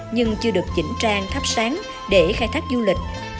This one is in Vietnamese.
nhưng chưa được chỉnh trang tháp sáng để khai thác du lịch